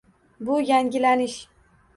Bu yangilanish